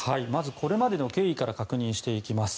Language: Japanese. これまでの経緯から確認していきます。